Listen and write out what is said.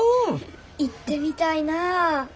行ってみたいなぁ。